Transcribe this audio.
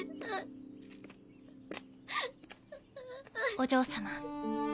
お嬢様。